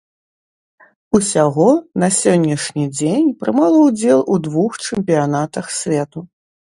Усяго на сённяшні дзень прымала ўдзел у двух чэмпіянатах свету.